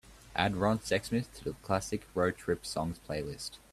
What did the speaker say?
Add ron sexsmith to the classic road trip songs playlist.